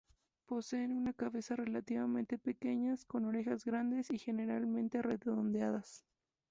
Poseen una cabeza relativamente pequeña con orejas grandes y generalmente redondeadas.